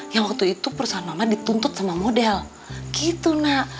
yang waktu itu perusahaan mama dituntut sama model gitu nak